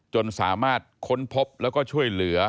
จนสามารถค้นพบแล้วก็ช่วยเหลือ